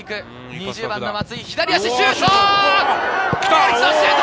２０番・松井、左足シュート！